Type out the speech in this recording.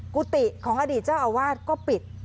กุฏิของอดีตเจ้าอาวาสก็ปิด